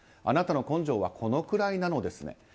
あなたの根性はこのくらいなのですね。